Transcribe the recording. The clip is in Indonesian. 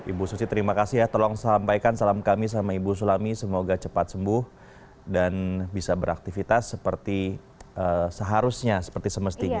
ibu susi terima kasih ya tolong sampaikan salam kami sama ibu sulami semoga cepat sembuh dan bisa beraktivitas seperti seharusnya seperti semestinya